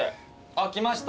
あっ来ました。